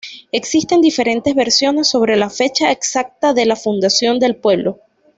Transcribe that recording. Existen diferentes versiones sobre la fecha exacta de la fundación del pueblo.